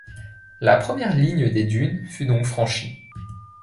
La première ligne des dunes fut donc franchie.